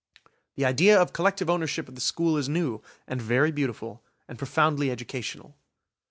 This idea of collective ownership of the school is new and very beautiful and profoundly educational.